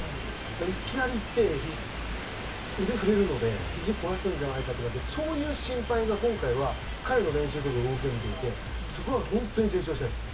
いきなり行って、腕が振れるのでひじ壊すんじゃないかとかそういう心配は今回は彼の練習の時を見ていてそこが本当に成長してます。